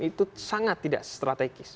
itu sangat tidak strategis